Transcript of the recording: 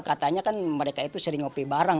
katanya kan mereka itu sering ngopi bareng